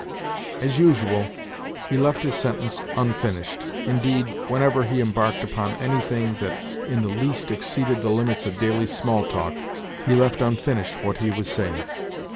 As usual, he left his sentence unfinished. Indeed, whenever he embarked upon anything that in the least exceeded the limits of daily small talk, he left unfinished what he was saying.